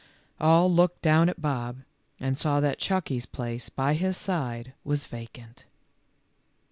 All looked down at Bob, and saw that Chucky 's place by his side was vacant.